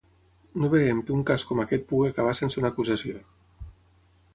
No veiem que un cas com aquest pugui acabar sense una acusació.